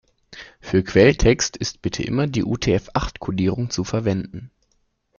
Für Quelltext ist bitte immer die UTF-acht-Kodierung zu verwenden.